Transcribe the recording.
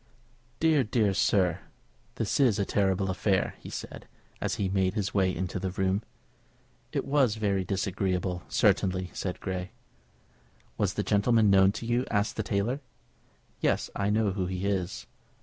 "Dear, dear, sir this is a terrible affair!" he said, as he made his way into the room. "It was very disagreeable, certainly," said Grey. "Was the gentleman known to you?" asked the tailor. "Yes; I know who he is."